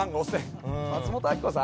松本明子さん